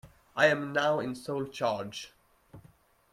I am now in sole charge.